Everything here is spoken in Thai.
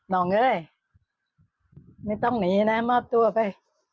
น้องเอ้ยไม่ต้องหนีนะมอบตัวไป